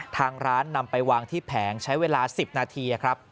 ทางร้านนำไปวางที่แผงใช้เวลา๑๐นาทีครับ